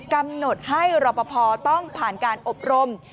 กำหนดให้รอปภต้องผ่านการอบรม